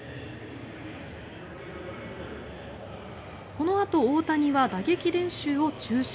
このあと大谷は打撃練習を中止。